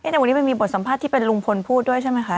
ในวันนี้มันมีบทสัมภาษณ์ที่เป็นลุงพลพูดด้วยใช่ไหมคะ